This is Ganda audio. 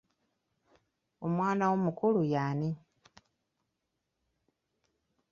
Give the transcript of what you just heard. Omwana wo omukulu y'ani?